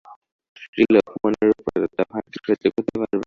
স্ত্রীলোক, মনের উপর এতটা ভার কি সহ্য করতে পারবে?